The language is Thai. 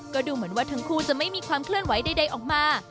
ก็ดูเหมือนว่าทั้งคู่จะไม่มีความเคลื่อนไหวใดออกมา